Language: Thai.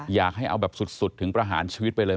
อยากให้เอาแบบสุดถึงประหารชีวิตไปเลย